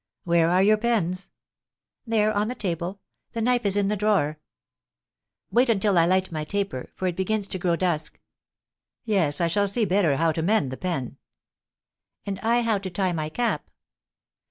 "Where are your pens?" "There, on the table; the knife is in the drawer. Wait until I light my taper, for it begins to grow dusk." "Yes, I shall see better how to mend the pen." "And I how to tie my cap."